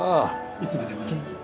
いつまでも元気で。